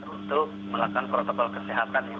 untuk melakukan protokol kesehatan